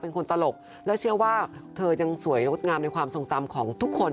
เป็นคนตลกและเชื่อว่าเธอยังสวยงดงามในความทรงจำของทุกคน